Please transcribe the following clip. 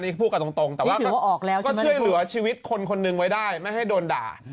นี่พูดกันตรงแต่ว่าช่วยเหลือชีวิตคนคนหนึ่งไว้ได้ไม่ให้โดนด่า